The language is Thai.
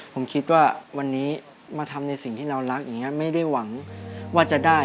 ผมคิดว่าวันนี้มาทำในสิ่งที่เรารักอย่างนี้ไม่ได้หวังว่าจะได้